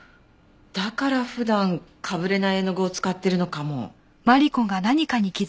だから普段かぶれない絵の具を使ってるのかも。